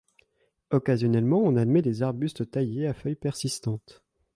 Occasionnellement, on admet des arbustes taillés, à feuilles persistantes.